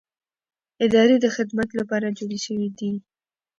ادارې د خدمت لپاره جوړې شوې دي